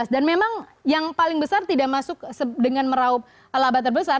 dan memang yang paling besar tidak masuk dengan meraup laba terbesar